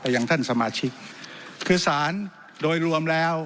อย่างท่านสมาชิกคือสารโดยรวมแล้ว